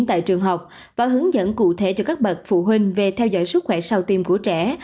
tại trường học và hướng dẫn cụ thể cho các bậc phụ huynh về theo dõi sức khỏe sau tim của trẻ